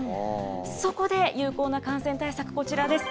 そこで有効な感染対策、こちらです。